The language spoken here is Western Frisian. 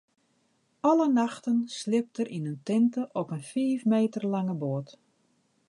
Alle nachten sliept er yn in tinte op in fiif meter lange boat.